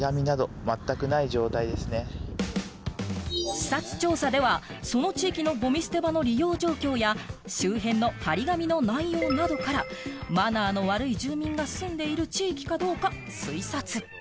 視察調査ではその地域のゴミ捨て場の利用状況や周辺の張り紙の内容などからマナーの悪い住民が住んでいる地域かどうか推察。